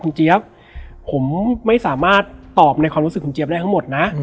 เจี๊ยบผมไม่สามารถตอบในความรู้สึกคุณเจี๊ยบได้ทั้งหมดนะ